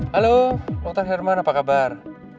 halo dokter herman apa kabar